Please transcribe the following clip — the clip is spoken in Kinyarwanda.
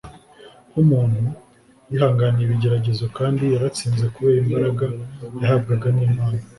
Nk'umuntu, yihanganiye ibigeragezo kandi yaratsinze kubera imbaraga yahabwaga n'Imana.